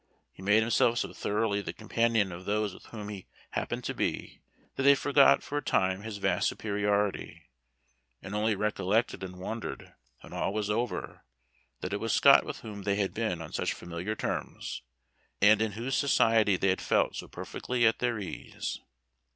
He made himself so thoroughly the companion of those with whom he happened to be, that they forgot for a time his vast superiority, and only recollected and wondered, when all was over, that it was Scott with whom they had been on such familiar terms, and in whose society they had felt so perfectly at their ease.